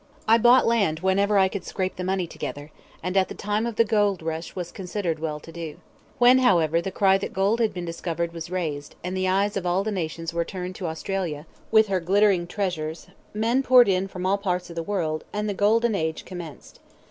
"I bought land whenever I could scrape the money together, and, at the time of the gold rush, was considered well to do. When, however, the cry that gold had been discovered was raised, and the eyes of all the nations were turned to Australia, with her glittering treasures, men poured in from all parts of the world, and the 'Golden Age' commenced.